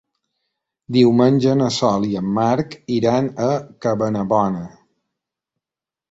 Diumenge na Sol i en Marc iran a Cabanabona.